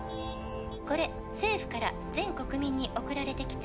「これ政府から全国民に送られてきた」